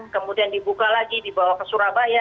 kemudian dibuka lagi dibawa ke surabaya